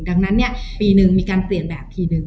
ดังนั้นปีหนึ่งมีการเปลี่ยนแบบทีนึง